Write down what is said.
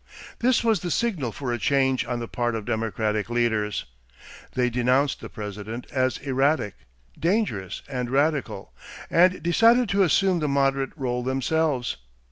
This was the signal for a change on the part of Democratic leaders. They denounced the President as erratic, dangerous, and radical and decided to assume the moderate rôle themselves.